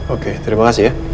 oke terima kasih ya